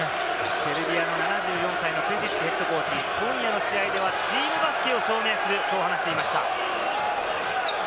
セルビアの７４歳のＨＣ、今夜の試合ではチームバスケを証明すると話していました。